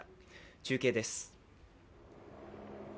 中継です。